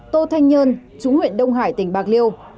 tô thanh nhơn chú huyện đông hải tỉnh bạc liêu